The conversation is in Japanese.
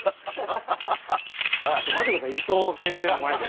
待ってください伊藤先生の前で。